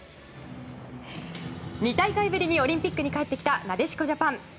２大会ぶりにオリンピックに帰ってきた、なでしこジャパン。